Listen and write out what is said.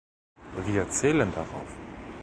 Wir zählen darauf!